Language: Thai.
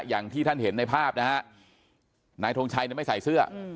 อย่างที่ท่านเห็นในภาพนะฮะนายทงชัยไม่ใส่เสื้อ